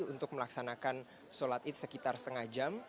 untuk melaksanakan sholat id sekitar setengah jam